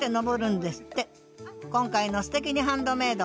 今回の「すてきにハンドメイド」